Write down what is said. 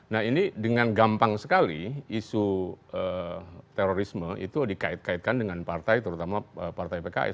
nah ini dengan gampang sekali isu terorisme itu dikait kaitkan dengan partai terutama partai pks